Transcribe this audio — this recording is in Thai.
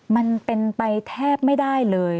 มันเป็นไปแทบไม่ได้เลย